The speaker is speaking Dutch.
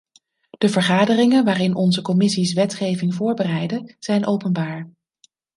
De vergaderingen waarin onze commissies wetgeving voorbereiden zijn openbaar.